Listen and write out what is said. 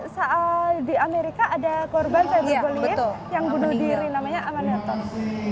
saat di amerika ada korban cyberbullying yang bunuh diri namanya amal yatot